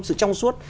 sự trong suốt